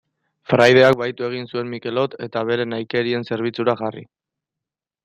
Fraideak bahitu egin zuen Mikelot, eta bere nahikerien zerbitzura jarri.